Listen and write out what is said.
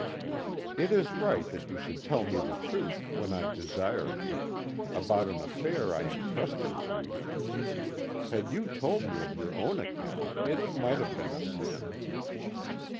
"'It is right that you should tell me the truth, when I desire you, about an affair I entrusted to you. Had you told me of your own account, it might have been a sin.'